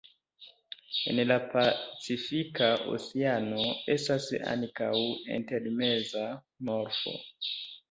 En la Pacifika Oceano estas ankaŭ intermeza morfo.